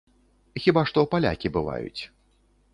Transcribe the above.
Хіба што палякі бываюць.